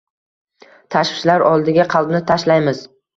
Tashvishlar oldiga qalbni tashlaymiz